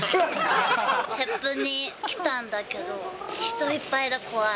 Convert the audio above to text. ヘップに来たんだけど、人いっぱいで怖い。